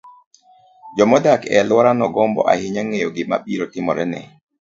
joma odak e alworano gombo ahinya ng'eyo gima biro timore ne